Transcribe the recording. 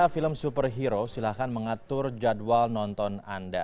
film superhero silahkan mengatur jadwal nonton anda